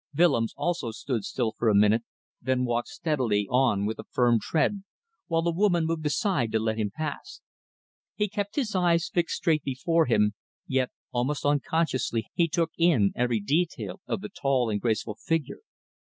Willems also stood still for a minute, then walked steadily on with a firm tread, while the woman moved aside to let him pass. He kept his eyes fixed straight before him, yet almost unconsciously he took in every detail of the tall and graceful figure.